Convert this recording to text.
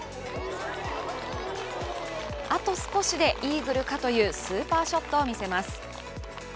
あと少しでイーグルかというスーパーショットを見せます。